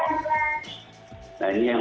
kita tuh tidak punya data